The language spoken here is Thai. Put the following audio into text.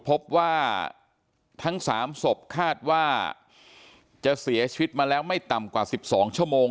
พบว่าทั้ง๓ศพคาดว่าจะเสียชีวิตมาแล้วไม่ต่ำกว่า๑๒ชั่วโมง